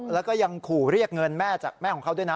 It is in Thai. แล้วก็ยังขู่เรียกเงินแม่จากแม่ของเขาด้วยนะ